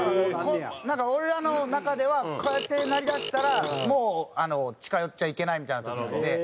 なんか俺らの中ではこうやってなりだしたらもう近寄っちゃいけないみたいな時なので。